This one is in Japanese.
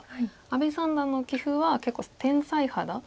阿部三段の棋風は結構天才肌。